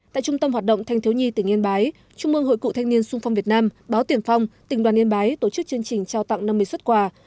tại trung tâm hoạt động thanh thiếu nhi tỉnh yên bái trung mương hội cụ thanh niên sung phong việt nam báo tiền phong tỉnh đoàn yên bái tổ chức chương trình trao tặng năm mươi xuất quà